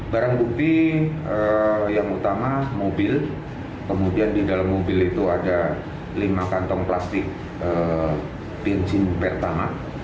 barang bukti yang utama mobil kemudian di dalam mobil itu ada lima kantong plastik bensin pertama